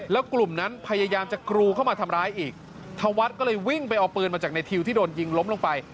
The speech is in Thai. แล้วกลุ่มนั้นพยายามจะกรูเข้ามาทำร้ายอีกธวัฒน์ก็เลยวิ่งไปเอาปืนมาจากในทิวที่โดนยิงล้มลงไป